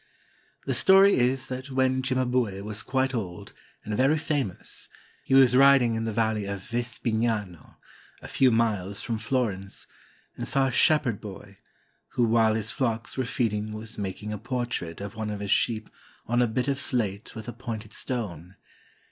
The story is that when Cimabue was quite old and very famous, he was riding in the valley of Vespignano, a few miles from Florence, and saw a shepherd boy, who while his flocks were feed ing was making a portrait of one of his sheep on a bit of slate with a pointed stone